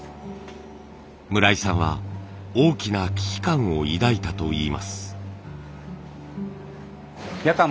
村井さんは大きな危機感を抱いたといいます。